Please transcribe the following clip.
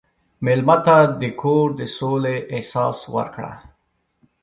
مېلمه ته د کور د سولې احساس ورکړه.